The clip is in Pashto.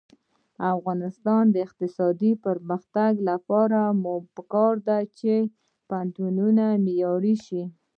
د افغانستان د اقتصادي پرمختګ لپاره پکار ده چې پوهنتونونه معیاري شي.